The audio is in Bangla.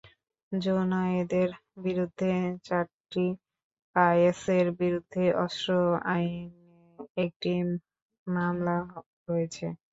জুনায়েদের বিরুদ্ধে চারটি এবং কায়েসের বিরুদ্ধে অস্ত্র আইনে একটি মামলা রয়েছে।